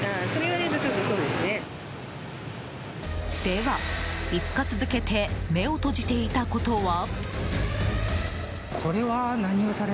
では、５日続けて目を閉じていたことは？